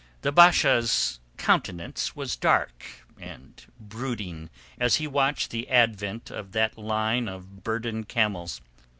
The Basha's countenance was dark and brooding as he watched the advent of that line of burdened camels.